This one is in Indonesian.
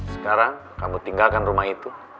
sekarang kamu tinggalkan rumah itu